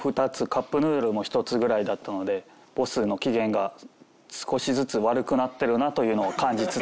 カップヌードルも１つぐらいだったのでボスの機嫌が少しずつ悪くなってるなというのを感じつつ。